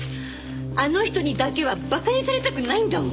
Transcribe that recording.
あの人にだけは馬鹿にされたくないんだもん！